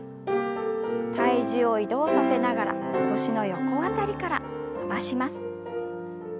体重を移動させながら腰の横辺りから伸ばします。